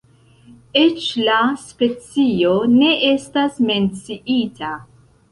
Eĉ la specio ne estas menciita.